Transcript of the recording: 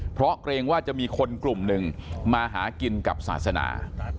เพราะเกรงว่าจะมีคนกลุ่มหนึ่งมาหากินกับศาสนา